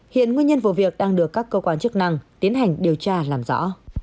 hiện nguyên nhân vụ việc đang được các cơ quan chức năng tiến hành điều tra làm rõ